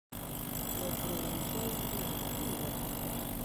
یو پلورنځی یې هم درلود.